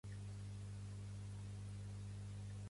La meva més rotunda condemna a l’atemptat terrorista de Barcelona.